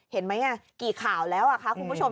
เห็นไหมกี่ข่าวแล้วคะคุณผู้ชม